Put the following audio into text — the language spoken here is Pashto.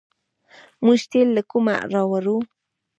موږ تیل له کومه راوړو؟